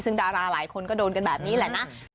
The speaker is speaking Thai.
ซึ่งดาราหลายคนก็โดนกันแบบนี้แหละนะ